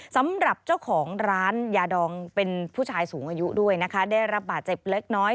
สำหรับเจ้าของร้านยาดองเป็นผู้ชายสูงอายุด้วยนะคะได้รับบาดเจ็บเล็กน้อย